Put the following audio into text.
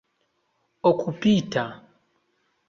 okupita